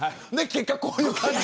結果こういう感じ。